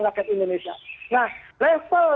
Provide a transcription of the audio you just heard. rakyat indonesia nah level